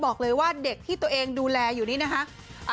บอกเลยว่าเด็กที่ตัวเองดูแลอยู่นี้นะคะ